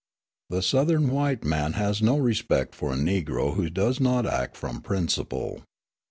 The Southern white man has no respect for a Negro who does not act from principle.